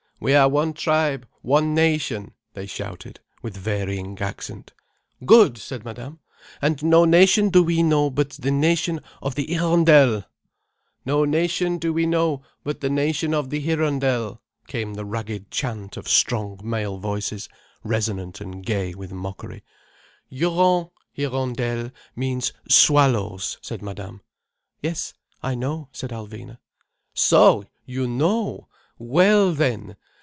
"We are one tribe, one nation—" they shouted, with varying accent. "Good!" said Madame. "And no nation do we know but the nation of the Hirondelles—" "No nation do we know but the nation of the Hirondelles," came the ragged chant of strong male voices, resonant and gay with mockery. "Hurons—Hirondelles, means swallows," said Madame. "Yes, I know," said Alvina. "So! you know! Well, then!